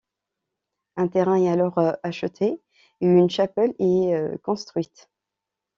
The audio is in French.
Un terrain est alors acheté et une chapelle y est construite.